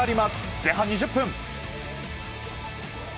前半２０分。